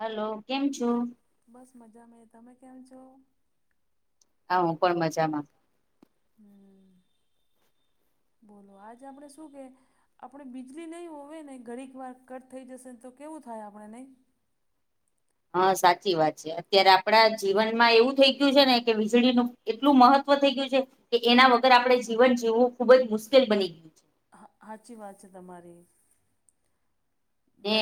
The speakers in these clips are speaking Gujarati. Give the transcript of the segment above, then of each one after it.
હલો કેમ છો બસ મજામાં તમે કેમ છો હા હું પણ મજા માં હમ બોલો આજે આપડે શું કે આપણે વીજળી નહીં હોય ને ઘણીક વાર કટ થઈ જશે ને તો કેવું થાય આપણે નહીં હા સાચ ચી વાત છે અત્યારે આપડા જીવનમાં એવું થઈ ગયું છે ને કે વીજળીનું એટલું મહત્વ થઈ ગયું છે કે એના વગર આપણે જીવન જીવું ખુબ જ મુશ્કેલ બની હ હાચી વાત છે તમારી ને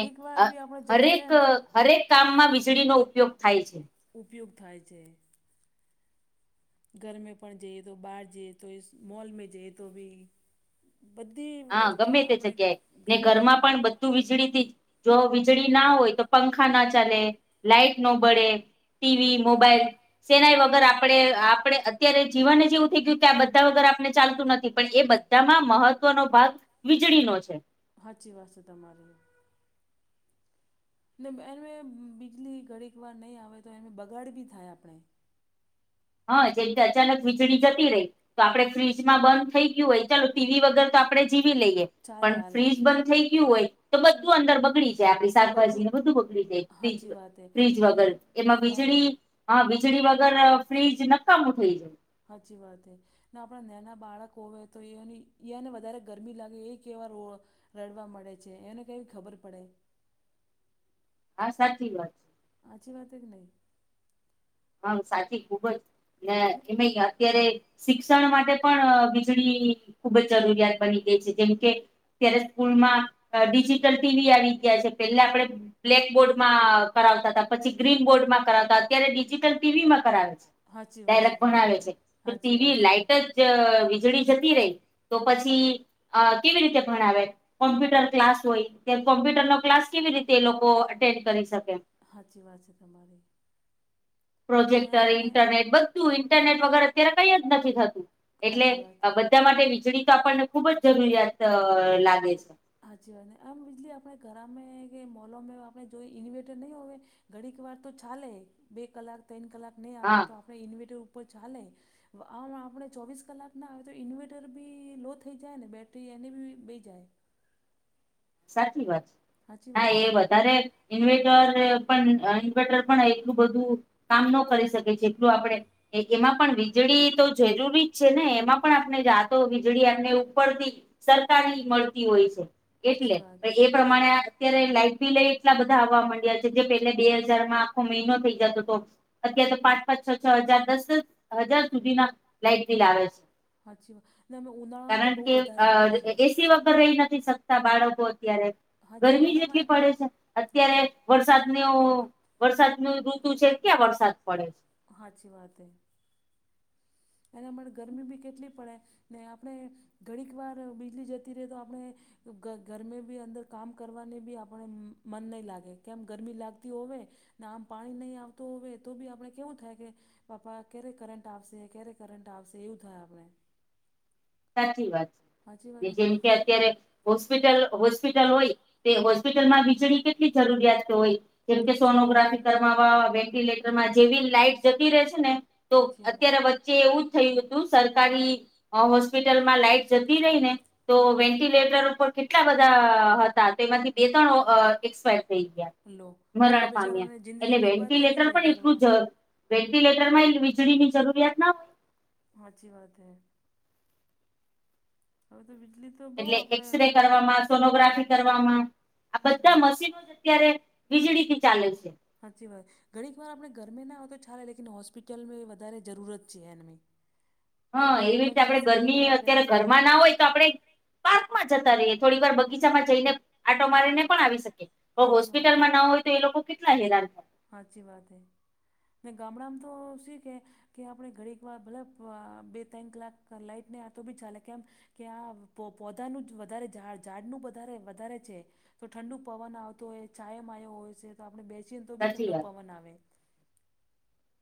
હરેક હરેક કામમાં વીજળીનો ઉપયોગ થાય છે. ઉપયોગ થાય છે. ઘર મે પણ જઈએ તો બહાર જઈએ તોય મોલ મે જઈએ તો બી બધ્ધી વસ્તુમાં આપણે ગમે તે જગ ધુ વીજળી થી જો વીજળી ના હોય તો પંખા ના ચાલે, લાઈટ નો બળે ટીવી, મોબાઈલ સેનાઈ વગર આપડે આપડે અત્યારે જીવન એવું થઈ ગયું કે આ બધા વગર આપણે ચાલતું નથી પણ એ બધ ધામાં મહત્વનો ભાગ વીજળીનો છે. હાચી વાત છે તમારી. એનવે બીજલી ઘડીક વાર નહીં આવે તો એને બગાડ બી થાય આપણે. હા જેમતે અચાનક વીજળી જતી રહી તો આપડે ફ્રીજ માં બંધ થઈ ગયું હોય ચાલો ટીવી વગર તો આપણેે જીવી લઈએ. પણ ફ્રીજ બંધ થઈ ગયું હોય તો બધું અંદર બગડી જાય આપડી શાકભાજી ને બધું બગડી જાય ફ્રીજ ફ્રીજ વગર એમાં વીજળી હા વીજળી વગર ફ્રીજ નકામું થઈ જાય. હાચી વાત હે. ના આપણા નેના બાળકો હોવે તો ઈયની ઈયને વધારે ગરમી લાગે એ કેવા રોવ રડવા મડે છે એમને કઈ ખબર પડે. હા સાચી વાત છે. આચી વાત એક કે નઈ. હમ્મ સાચી ખુબ જ ને એમે અત્યારે. શિક્ષણ માટે પણ વીજળી ખુબ જ જરૂરિયાત બની ગઈ છે જેમ કે ત્યારે સ્કૂલમાં અ ડિજિટલ ટીવી આવી ગયા છે પેલ્લા આપડે બ્લેક બોર્ડમાં કરાવતા હતા પછી ગ્રીન બોર્ડ માં કરાવતા અત્યારે ડિજિટલ ટીવી માં કરાવે છે. ડાઇરેક્ટ ભણાવે છે તો ટીવી લાઈટ જ. જ વીજળી જતી રહી તો પછી અ કેવી રીતે ભણાવે કોમ્પ્યુટર ક્લાસ હોય તે કોમ્પ્યુટર નો ક્લાસ કેવી રીતે એ લોકો અટેન્ડ કરી શકે. હાચી વાત છે તમારી. પ્રોજેક્ટર ઇન્ટરનેટ બધ્ધું ઇન્ટરનેટ વગર અત્યારે કઈ જ નથી થતું. એટલે બધા માટે વીજળી તો આપણને ખુબ જ જરૂરિયાત અ લાગે છે. હાચીવાત આમ બીજળી આપણે ઘરામે કે મોલો મે આપણે જોઈ ઇન્વેટર નહીં હોવે. ઘડીક વાર તો ચાલે બે કલાક તન કલાક નહીં આવે ને તો આપણે ઈન્વેટર ઉપર ચાલે. આ આપણે ચોવીસ કલાક ના આવે તો ઈન્વેર્ટર બી લો થઈ જાય ને બેટરી એની બી બે જાય. સાચી વાત છે. હા એ વધારે ઇન્વેટર એ પણ ઇન્વેટર પણ એટલું બધું. કામ ન કરી શકે જેટલું આપડે એમાં પણ વીજળી તો જરૂરી જ છે ને એમાં પણ આપણે જાતો વીજળી આપને ઉપરતી સરકારી મળતી હોય છે એટલે એ પ્રમાણે અત્યારે લાઈટ બિલે એટલા બધા આવવા માંડ્યા છે જે પેલે બે હજારમાં આખો મહિનો થઈ જતો હતો. અત્યારે તો પાંચ પાંચ છ છ હજાર દસ દસ હજાર સુધીના લાઈટ બિલ આવે છે. હાચી વાત અમે ઉનાળામાં તો બહુ વધારે આવે છે. એસી વગર રહી નથી શકતા બાળકો અત્યારે ગરમી જ એટલી પડે છે અત્યારે વરસાદને ઓ‌. વરસાદ નું ઋતુ છે ક્યાં વરસાદ પડે. હાચી વાત હે. એના માટે ગરમી બી કેટલી પડે ને આપણે ઘડીકવાર બીજળી જતી રહે તો આપણે તો ગર-ગરમે બી અંદર કામ કરવાની બી આપણે મન નહી લાગે કેમ ગરમી લાગતી હોવે. નામ પાણી નહી આવતો હોય તો બી આપે કેવું થાય કે બાપા ક્યારે કરંટ આવશે ક્યારે? કરંટ આવશે એવું થાય આપણે. સાચી વાત છે. જેમ કે અત્યારે હોસ્પિટલ હોસ્પિટલ હોય તે હોસ્પિટલમાં વિજળી કેટલી જરૂરિયાત હોય. જેમકે સોનોગ્રાફી કરવાવા વેન્ટિલેટરમાં જેવી લાઈટ જતી રહે છે ને તો અત્યારે વચ્ચે એવું જ થયું હતું. સરકારી હો હોસ્પિટલમાં લાઈટ જતી રહી ને તો વેન્ટિલેટર ઉપર કેટ એટલા બધા હતા તો એમાંથી બે ત્રણ અ એક્સપાયર થઈ ગયા. મરળ પામ્યા. એટલે વેન્ટિલેટર પણ એટલું જ વેન્ટીલેટરમાં વીજળીની જરૂરિયાત ના. હાચી વાત હૈ. હવે તો બીજલી એટલે એક્સ-રે કરવામાં, સોનોગ્રાફી કરવામાં આ બધા મશીનો જ અત્યારે વીજળીથી ચાલે છે. હાચી વાત. ઘણીક વાર આપણે ઘરમે ના હોય તો ચાલે લેકીન હોસ્પિટલમાં એ વધારે જરૂરત છે એનમી. હા એવી રીતે આપડે ગરમી અત્યારે ઘરમાં ના હોય તો આપણેે પાર્કમાં જતા રહીએ, થોડી વાર બગીચામાં જઈને આટો મારીને પણ આવી શકે. પણ હોસ્પિટલમાં ન હોય તો એ લોકો કેટલા હેરાન થાય. હાચી વાત હે. ને ગામડામાં તો શી કે કે આપણે ઘડીક વાર મતલબ બે ત્રણ કલાક લાઈટ ને આતો બી ચાલે કેમ કે આ પો પોધાનું જ વધારે ઝાડ ઝાડનું વધારે વધારે છે. તો ઠંડુ પવન આવતો હોય, ચાયા માયો હોય છે, તો આપણે બેસીએ ને તો બી ઠંડો પવન આવે.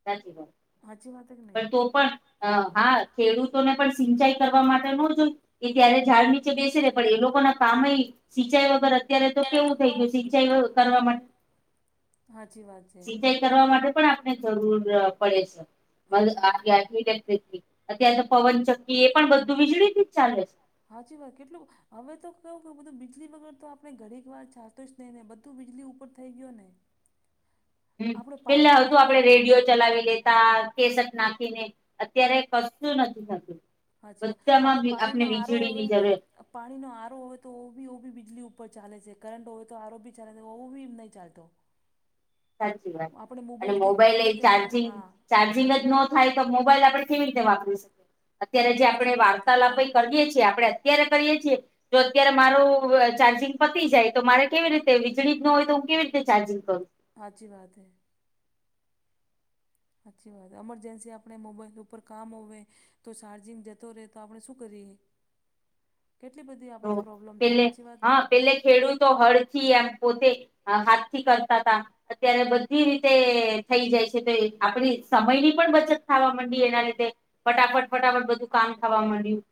સાચી વાત. હાચી વાત? પણ તો પણ અ હા ખેડૂતોને પણ સિંચાઈ કરવા માટે ન જોય? એ ત્યારે ઝાડ નીચે બેસી રે પણ એ લોકોના કામય સિંચાઈ વગર અત્યારે તો કેવું થઈ ગયું સી ચાઈ કરવા માટ હાચી વાત છે. કરવા માટે પણ આપને જરૂર પડે છે. [unintelligible] અત્યારે તો પવનચક્કી એ પણ બધું વીજળી થી જ ચાલે છે. હાચી વાત. કેટલું હવે તો કવું બધું બીજલીનું વગર તો આપણે ઘડીક વાર ચાલતું જ નહી ને બધું બીજલી ઉપર થઈ ગયો ને. હમ પેલા હતું આપડે રેડિયો ચલાવી લેતા કેસટ નાખીને, અત્યારે કશું નથી થતું. હાચી વાત. આપણે પાણીનો આરો હોવે પાણીનો આરો હોવે તો ઓબી ઓબી બીજલી ઉપર ચાલે છે. કરંટ હોવે તો આરો બી ચાલે ઓવી નહીં ચાલતો. સાચી વાત. અને મોબાઈલએ ચાર્જિંગ ચાર્જિંગ જ નો થાય તો મોબાઈલ આપણે કેવી રીતે વાપરી શકીએ? અત્યારે જે આપણે વાર્તાલાપ કરીએ છીએ આપણે અત્યારે કરીએ છીએ જો અત્યારે મારો ચાર્જિંગ પતી જાય તો મારે કેવી રીતે વીજળી જ ન હોય તો હું કેવી રીતે ચાર્જિંગ કરું? હાચી વાત હે. હાચી વાત હે. અમરજન્સી આપણે મોબાઈલ ઉપર કામ હોવે. તો ચાર્જિંગ જતો રે તો આપણે શું કરીએ? કેટલી બધી આપણે પ્રોબ્લમ થાય હાચી વાત નહીં? એટલે ખેડૂત તો હળથી આમ પોતે અ હાથથી કરતા તા. અત્યારે બધી રીતે થઈ જાય છે તો એ આપડી સમયની પણ બચત થાવા મંડી એના લીધે. ફટાફટ ફટાફટ બધું કામ થવા માંડ્યું.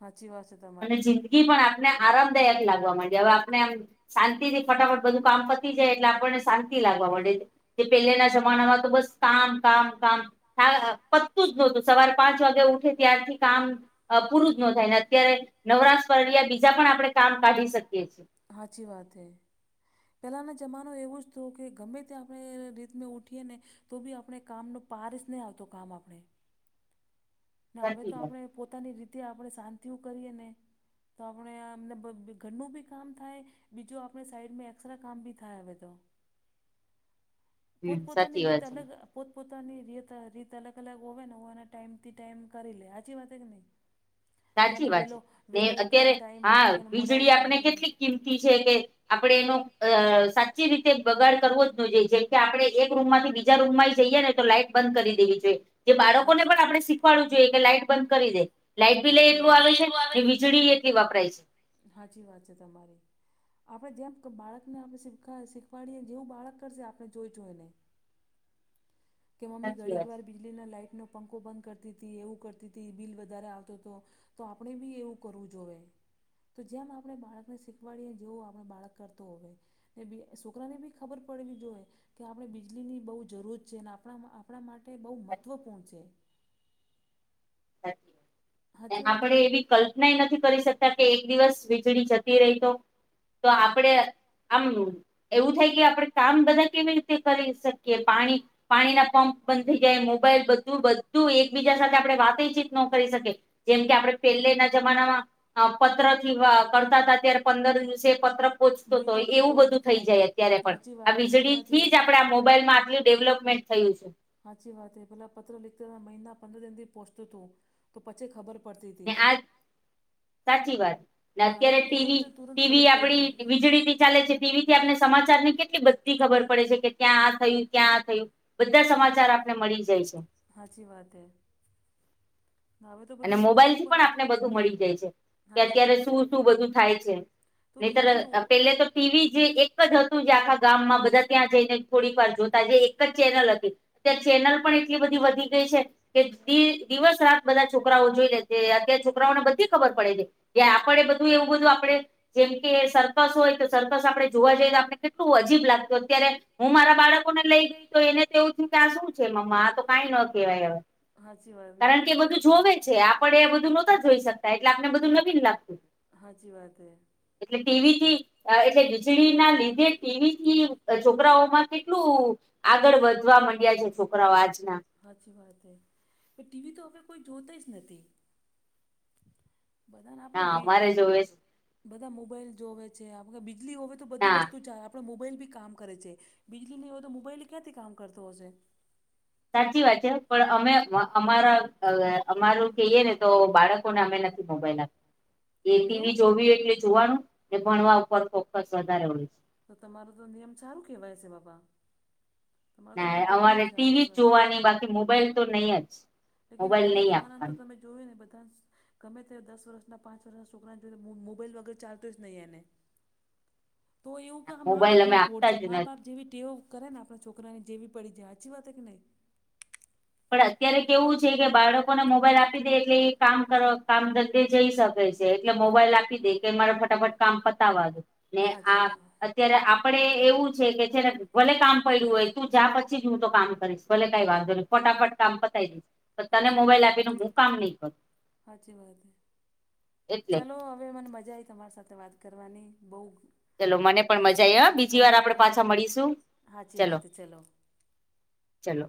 હાચી વાત છે તમારી. ઈ પણ આપને આરામદાયક લાગવા માંડી. હવે આપને આમ શાંતિથી ફટાફટ બધું કામ પતી જાય એટલે આપણને શાંતિ લાગવા મળે. તે પેલેના જમાનામાં તો બસ કામ, કામ, કામ. હા પતું જ નોતું સવારે પાંચ વાગે ઉઠે ત્યારથી કામ. અ પૂરું જ ન થાય. ને અત્યારે નવરાશ પર્યા બીજા પણ આપણે કામ કાઢી શકીએ છીએ. હાચી વાત હૈ. પહેલાંના જમાનો એવું જ તું કે ગમે ત્યાં આપણે રીતનું ઊઠીએ ને તો બી આપણે કામનો પાર જ નહી આવતો. કામ આપણે હવે તો આપણે પોતાની રીતે આપણે શાંતિઓ કરીએ ને તો આપણે આમ ઘરનું બી કામ થાય. બીજો આપણે સાઈડમાં એક્સ્ટ્રા કામ બી થાય હવે તો. પોત પોતાની રીત અલગ અ પોતપોતાની રીત રીત અલગ અલગ હોવે ને હોવાને ટાઈમથી ટાઈમ કરી લે. હાચી વાત હે કે નહીં? કેને વેલો વેલો ઉઠવા ટાઈમ હો કે મોડા ઉઠવા ટાઈમ હો કે આપણે એનો સાચી રીતે બગાડ કરવો જ ન જોઈએ. જેમ કે આપણે એક રૂમ માંથી બીજા રૂમ માં જઈએ ને તો લાાઈટ બંધ કરી દેવી જોઈએ. જે બાળકોને પણ આપણે ડું જોઈએ કે લાઈટ બંધ કરી દે. લાઈટ બી લઈ એટલું આવે છે ને વીજળી એટલી વાપરાય છે. હાચી વાત છે તમારી. આપણે જેમ બાળકને આપણેી શીખવાડીએ જેવું બાળક કરશે આપણે જોઈ જો એને કે મમ્મી ઘડીક વાર બીજળીના લાાઈટનો પંખો બંધ કરતી હતી એવું કરતી હતી બિલ વધારે આવતો હતો. તો આપણે બી એવું કરવું જોઈએ. તો જેમ આપણે બાળકને શીખવાડીએ જેવું આપણે બાળક કરતું હોય. ને બી છોકરાને બી ખબર પડવી જોઈએ. કે આપણે બીજળીની બહુ જરૂર છે અને આપણા આપણા માટે બહુ મહત્વપૂર્ણ છે. આપડે એવી કલ્પનાય નથી કરી શકતા કે એક દિવસ વીજળી જતી રહીતો તો આપણે આમ એવું થાય કે આપણે કામ બધા કેવી રીતે કરી શકીએ. પાણી પાણીના પંપ બંધ થઈ જાય મોબાઈલ બધું બધું એકબીજા સાથે આપડણે વાતચીત ન કરી શકી. જેમ કે આપડણે પેલેના જમાનામાં અ પત્ર થી કરતા હતા. અ્યારે પંદર દિવસે પત્ર પોચતોય એવું બધું થઈ જાય અત્યારે પણ. આ વીજળી થી જ આપણેે આ મોબાઈલ માં આટલી ડેવલપમેન્ટ થયું છે. સાચી વાત. એ પેલા પત્ર લિખતા મહિના પંદર દિન થી પોહોચતું હતું. તો પછી ખબર પ પ્રતીતે [unintelligible] સાચી વાત. અત્યારે ટીવી ટીવી આપડી વીજળી થી ચાલે છે ટીવીથી આપને સમાચાર ને કેટલી બધી ખબર પડે છે કે ક્યાં આ થયું ક્યાં આ થયું. બધા સમાચાર આપને મળી જાય છે. હાચી વાત હ. અને મોબાઈલ થી પણ આપને બધું મળી જાય છે કે અત્યારે શું શું બધું થાય છે. નહી પેલા તો. ટીવી જે એક જ હતું જે આખા ગામમાં બધા ત્યાં જઈને થોડી વાર જોતા જે એક જ ચેનલ હતી. ત્યા ચેનલ પણ એટલી બધી વધી ગઈ છે કે દિવસ રાત બધા છોકરાઓ જોઈ લે અત્યારે છોકરાઓને બધી ખબર પડે છે કે આપડે બધું એવું બધું આપડે જેમ કે સરકસ હોય તો સરકસ આપડણે જોવા જઈએ તો આપને કેટલું અજીબ લાગતું અત્યારે હું મારા બાળક ને લઈ ગય તો એને તો એવું થયું કે આ શું છે મમ્મા આ તો કઈ ન કહેવાય હવે સાચી વાત ના આપડે તો બધી આપડે એ બધું નહોતા જોઈ શકતા એટલે આપને બધું નથી લાગતું. હાચી વાત હૈ. એટલે ટીવી થી એટલે વીજળી ના લીધે ટીવીથી છોકરાઓમાં કેટલું આગળ વધવા માંડ્યા છે છોકરાઓ આજના. સાચી વાત હે ટીવી તો હવે કોઈ જોતા જ નથી. બધાને આપણે વી બધા મોબાઈલ જોવે છે બીજલી હોવે તો બધી વસ્તુ આપણે મોબાઈલ બી કામ કરે છે બીજળી નહી હોય તો મોબાઈલ ક્યાંથી કામ કરતો હશે. સાચી વાત છે પણ અમે અમારા અમારું કહીએ ને તો બાળકોને અમે નથી મોબાઈલ આપ્યો. [unintelligible] એ ટીવી જોવી હોય એટલે જોવાનું એ ભણવા ઉપર ફોક્કસ વધારે હોય છે. તો તમારો તો નિયમ સારું કહેવાય છે બાપા. ના અમારે ટીવી જ જોવાની બાકી મોબાઈલ તો નહી જ. લેકીન આજના જમાનામાં તો તમે જોયું ને બધા. ગમે તે દસ વર્ષના પાંચ વર્ષના છોકરાને જો મોબાઈલ વગર ચાલતુ જ નહીં એને. તો એવું કેશે મા બાપ ની ખોડ છે મા બાપ જેવી ટેવ કરે ને આપણા છોકરાને જેવી પડી જાય હાચી વાત કે નહીં. પણ અત્યારે કેવું છે કે બાળકોને મોબાઈલ આપી દે એટલે એ કામ કર કામ જલ્દી થઈ શકે. એટલે મોબાઈલ આપી દે કે મારે ફટાફટ કામ પતાવા દે ને આ ત્યારે આપડે એવું છે કે જયારે ભલે કામ પડ્યું હોય તું જા પછી જ હું તો કામ કરીશ ભલે કંઈ વાંધો નહી. ફટાફટ કામ પતાય દઈશ તો તને મોબાઈલ આપીને હું કામ નહી કરું. ચલો હવે મને મજા આવી તમારી સાથે વાત કરવાની બહુ. ચલો મને પણ મજા આવી બીજી વાર આપડે પાછા મળીશું ચલો. ચલો